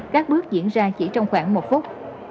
các bước diễn ra chỉ trong khoảng một phút